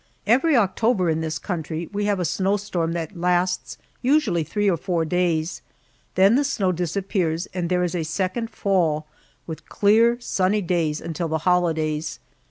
Every October in this country we have a snowstorm that lasts usually three or four days; then the snow disappears and there is a second fall, with clear sunny days until the holidays.